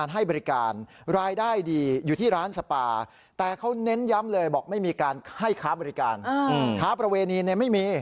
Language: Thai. ให้ค้าบริการค้าประเวณีนไม่มี